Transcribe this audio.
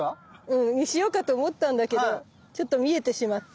うんにしようかと思ったんだけどちょっと見えてしまった。